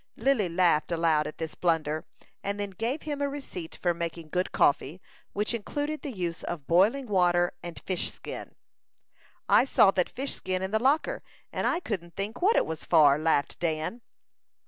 Lily laughed aloud at this blunder, and then gave him a receipt for making good coffee, which included the use of boiling water and fish skin. "I saw that fish skin in the locker, and I couldn't think what it was for?" laughed Dan.